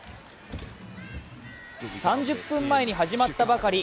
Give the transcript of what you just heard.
３０分前に始まったばかり。